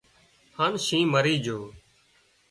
هانَ شينهن مرِي جھو